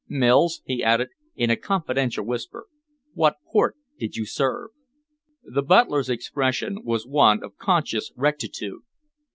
"Mills," he added, in a confidential whisper, "what port did you serve?" The butler's expression was one of conscious rectitude.